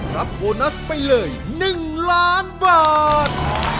รับโบนัสไปเลย๑ล้านบาท